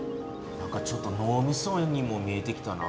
なんかちょっとのうみそにも見えてきたな。